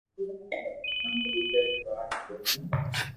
امي ٻيجا ري واٽ جونئو